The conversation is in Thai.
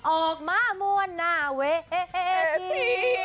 ออกมามวลหน้าเวที